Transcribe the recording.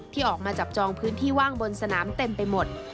ที่ออกมาจับจองพื้นที่ว่างบนสนามเต็มไปหมด